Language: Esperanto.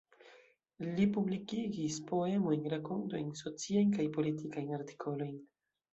Li publikigis poemojn, rakontojn, sociajn kaj politikajn artikolojn.